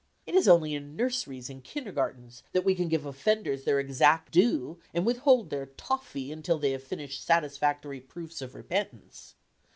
It is only in nurseries and kindergartens that we can give offenders their exact due and withhold their toffee until they have furnished satisfactory proofs of repentance.